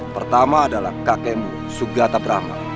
pertama adalah kakemu sugata brahma